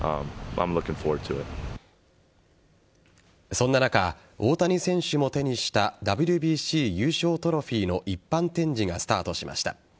そんな中、大谷選手も手にしたＷＢＣ優勝トロフィーの一般展示がスタートしました。